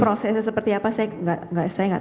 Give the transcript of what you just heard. prosesnya seperti apa saya nggak